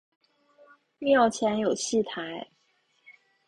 庙前有戏台。